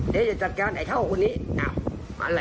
แล้วแกมาอ้างสัปดาห์ว่า